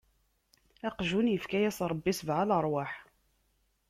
Aqjun ifka-yas Ṛebbi sebɛa leṛwaḥ.